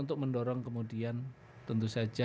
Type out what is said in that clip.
untuk mendorong kemudian tentu saja